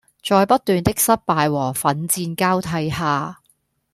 在不斷的失敗和奮戰交替下